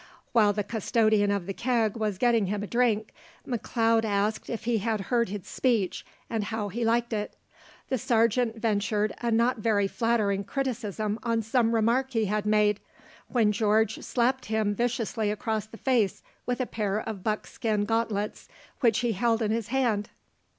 While the custodian of the keg was getting him a drink, McLeod asked if he had heard his speech, and how he liked it. The sergeant ventured a not very flattering criticism on some remark he had made, when George slapped him viciously across the face with a pair of buckskin gauntlets he held in his hand.